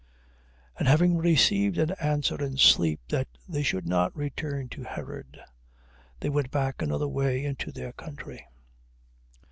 And having received an answer in sleep that they should not return to Herod, they went back another way into their country.